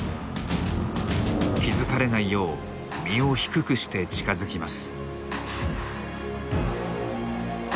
気付かれないよう身を低くして近づきます。